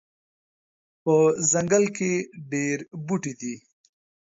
په ځنګل کې ډیر بوټي دي